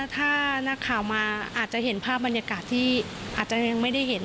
ถ้านักข่าวมาอาจจะเห็นภาพบรรยากาศที่อาจจะยังไม่ได้เห็น